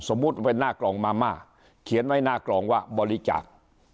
เป็นหน้ากล่องมาม่าเขียนไว้หน้ากล่องว่าบริจาค